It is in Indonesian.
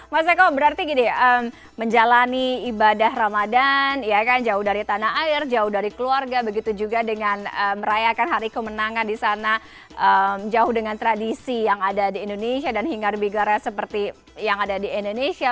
mas eko berarti gini menjalani ibadah ramadan ya kan jauh dari tanah air jauh dari keluarga begitu juga dengan merayakan hari kemenangan di sana jauh dengan tradisi yang ada di indonesia dan hingar bigara seperti yang ada di indonesia